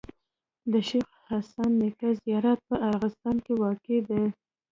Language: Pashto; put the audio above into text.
د شيخ حسن نیکه زیارت په ارغستان کي واقع دی.